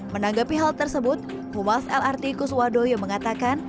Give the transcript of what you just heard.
menanggapi hal tersebut humas lrt kuswadoyo mengatakan